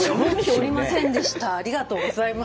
ありがとうございます。